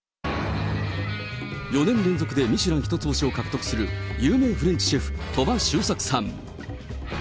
４年連続でミシュラン１つ星を獲得する有名フレンチシェフ、鳥羽周作さん。